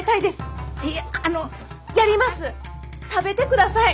食べてください！